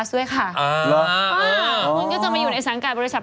แฟนสักอย่างงี้ไหม